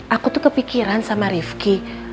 aku tuh kepikiran sama rifki